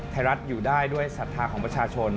ไทรัฐอยู่ได้ด้วยศรัต๖๗๐๐๐๐พระการประชาชน